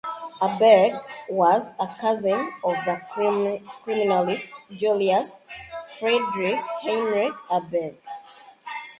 Abegg was a cousin of the criminalist Julius Friedrich Heinrich Abegg.